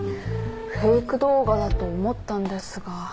フェイク動画だと思ったんですが。